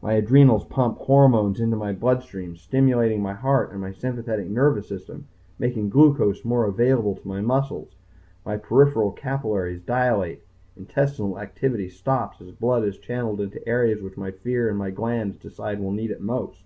My adrenals pump hormones into my bloodstream, stimulating my heart and my sympathetic nervous system, making glucose more available to my muscles. My peripheral capillaries dilate. Intestinal activity stops as blood is channeled into the areas which my fear and my glands decide will need it most.